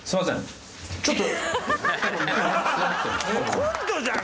コントじゃん